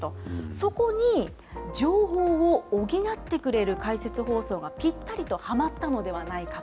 そこに、情報を補ってくれる解説放送がぴったりとはまったのではないかと。